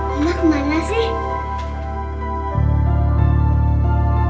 emak kemana sih